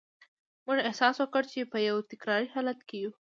موږ احساس وکړ چې په یو تکراري حالت کې یو